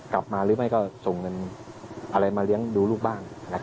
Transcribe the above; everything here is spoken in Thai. กลับมาหรือไม่ก็ส่งเงินอะไรมาเลี้ยงดูลูกบ้าง